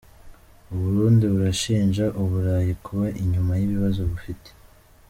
U Burundi burashinja u Burayi kuba inyuma y’ ibibazo bufite .